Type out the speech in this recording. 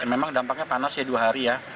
memang dampaknya panas ya dua hari ya